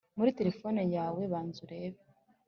muri telefone yawe banza urebe